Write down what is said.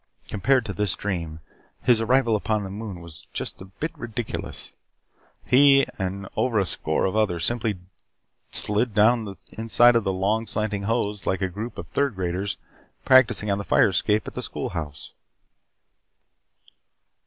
Compared to this dream, his arrival upon the moon was just a bit ridiculous. He and over a score of others simply slid down the inside of the long, slanting hose like a group of third graders practicing on the fire escape at the school house.